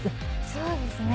そうですね。